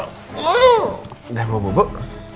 udah mau bubuk